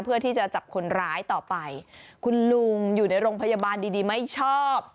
เพื่อที่จะจับคนร้ายต่อไปคุณลุงอยู่ในโรงพยาบาลดีดีไม่ชอบ